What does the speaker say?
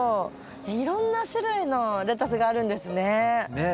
いろんな種類のレタスがあるんですね。